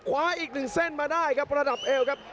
คว้าอีกหนึ่งเส้นมาได้ครับระดับเอวครับ